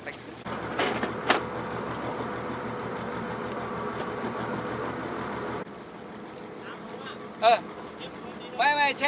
พวกนี้ควรอยู่กัน